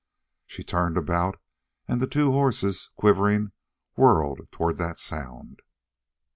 She turned about and the two horses, quivering, whirled toward that sound.